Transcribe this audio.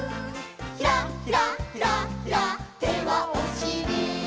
「ひらひらひらひら」「手はおしり」